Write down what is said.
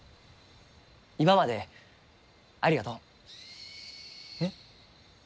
今までありがとう。えっ。